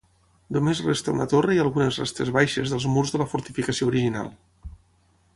Només resta una torre i algunes restes baixes dels murs de la fortificació original.